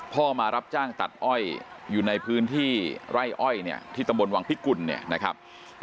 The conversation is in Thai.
มารับจ้างตัดอ้อยอยู่ในพื้นที่ไร่อ้อยเนี่ยที่ตำบลวังพิกุลเนี่ยนะครับ